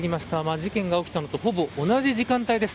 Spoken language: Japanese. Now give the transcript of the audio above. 事件が起きたのとほぼ同じ時間帯です。